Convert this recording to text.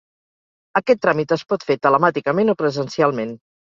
Aquest tràmit es pot fer telemàticament o presencialment.